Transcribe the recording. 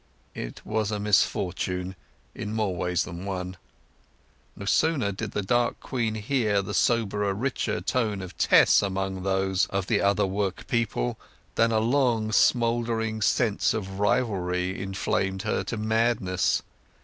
It was a misfortune—in more ways than one. No sooner did the dark queen hear the soberer richer note of Tess among those of the other work people than a long smouldering sense of rivalry inflamed her to madness.